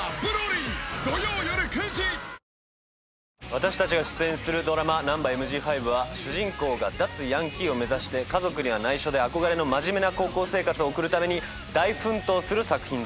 私たちが出演するドラマ『ナンバＭＧ５』は主人公が脱ヤンキーを目指して家族には内緒で憧れの真面目な高校生活を送るために大奮闘する作品です。